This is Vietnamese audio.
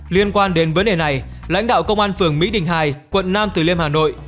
liên quan đến vấn đề này lãnh đạo công an phường mỹ đình hai quận nam từ liêm hà nội